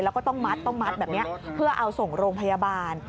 แล้วก็ต้องมัดต้องมัดแบบนี้เพื่อเอาส่งโรงพยาบาล